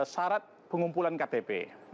syarat pengumpulan ktp